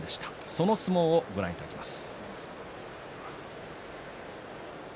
その相撲をご覧いただきます。